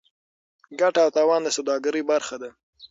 ګټه او تاوان د سوداګرۍ برخه ده.